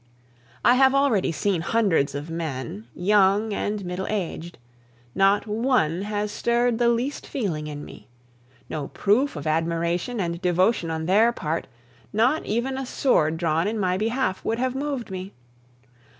I have already seen hundreds of men, young and middle aged; not one has stirred the least feeling in me. No proof of admiration and devotion on their part, not even a sword drawn in my behalf, would have moved me.